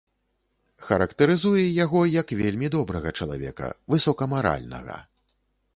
Характарызуе яго як вельмі добрага чалавека, высокамаральнага.